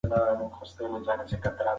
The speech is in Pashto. د ذوق خلاف کار تل کمزوری تمامېږي.